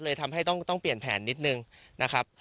เลยทำให้ต้องเปลี่ยนแผนนิดนึงนะครับ